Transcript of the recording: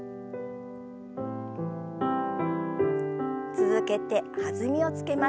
続けて弾みをつけます。